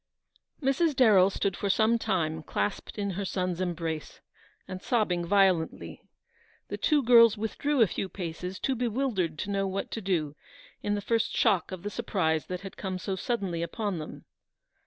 Mrs. Darrell stood for some time clasped in her son's embrace, and sobbing violently. The two girls withdrew a few paces, too bewildered to know what to do, in the first shock of the surprise that had come so suddenly upon them.